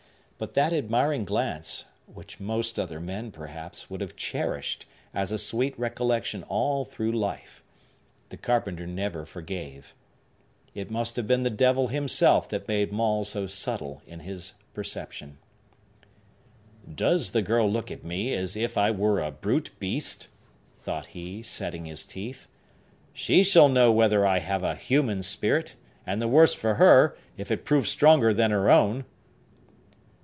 But that admiring glance (which most other men, perhaps, would have cherished as a sweet recollection all through life) the carpenter never forgave. It must have been the devil himself that made Maule so subtile in his preception. "Does the girl look at me as if I were a brute beast?" thought he, setting his teeth. "She shall know whether I have a human spirit; and the worse for her, if it prove stronger than her own!"